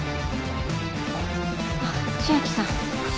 あっ千晶さん。